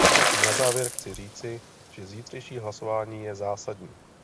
Na závěr chci říci, že zítřejší hlasování je zásadní.